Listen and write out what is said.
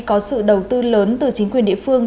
có sự đầu tư lớn từ chính quyền địa phương